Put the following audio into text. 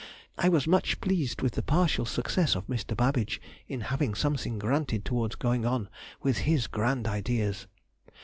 I was much pleased with the partial success of Mr. Babbage in having something granted towards going on with his grand ideas.